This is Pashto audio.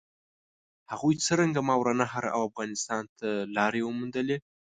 هغوی څرنګه ماورالنهر او افغانستان ته لارې وموندلې؟